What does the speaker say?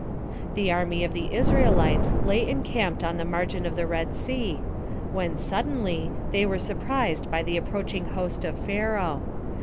The army of the Israelites lay encamped on the margin of the Red Sea, when, suddenly, they were surprised by the approaching host of Pharaoh.